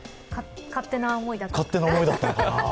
勝手な思いだったのかな。